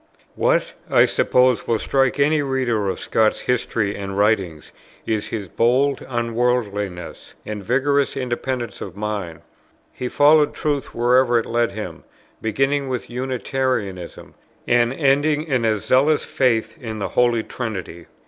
What, I suppose, will strike any reader of Scott's history and writings, is his bold unworldliness and vigorous independence of mind. He followed truth wherever it led him, beginning with Unitarianism, and ending in a zealous faith in the Holy Trinity.